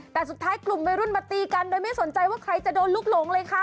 แต่สุดท้ายกลุ่มวัยรุ่นมาตีกันโดยไม่สนใจว่าใครจะโดนลูกหลงเลยค่ะ